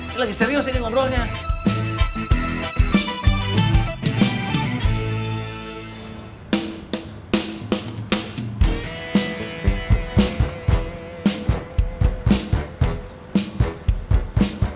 ini lagi serius ini ngobrolnya